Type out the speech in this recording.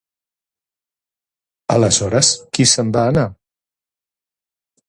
Aleshores, qui se'n va anar?